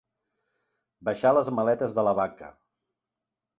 Baixar les maletes de la baca.